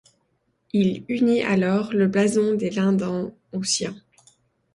Il unit alors le blason des Linden au sien.